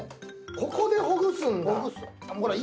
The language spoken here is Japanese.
ここでほぐすんだ。